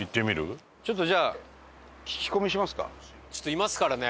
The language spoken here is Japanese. いますからね。